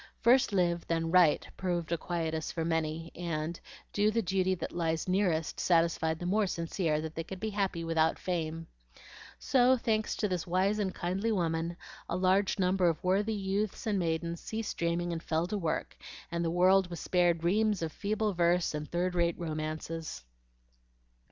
"First live, then write," proved a quietus for many, and "Do the duty that lies nearest" satisfied the more sincere that they could be happy without fame. So, thanks to this wise and kindly woman, a large number of worthy youths and maidens ceased dreaming and fell to work, and the world was spared reams of feeble verse and third rate romances.